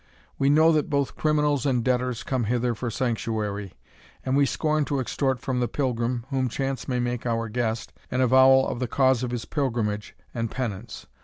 We know that both criminals and debtors come hither for sanctuary, and we scorn to extort from the pilgrim, whom chance may make our guest, an avowal of the cause of his pilgrimage and penance.